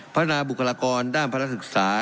พัฒนาบุคลากรด้านพระราชศึกษา